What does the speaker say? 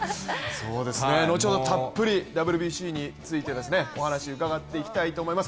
後ほどたっぷりＷＢＣについてお話、伺っていきたいと思います。